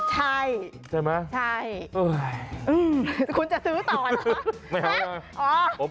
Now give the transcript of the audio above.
ใช่ใช่ไหมเอ้ยคุณจะซื้อต่อหรือเปล่าฮะอ๋อ